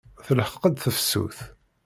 Telḥeq-d tefsut.